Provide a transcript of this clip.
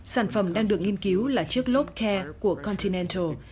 sản phẩm đang được nghiên cứu là chiếc lốp care của continental